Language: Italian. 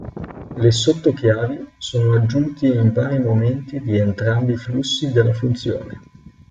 Le sotto-chiavi sono aggiunte in vari momenti di entrambi i flussi della funzione.